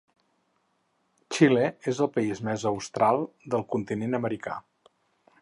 Xile és el país més austral del continent americà.